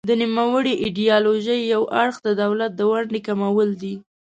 د نوموړې ایډیالوژۍ یو اړخ د دولت د ونډې کمول دي.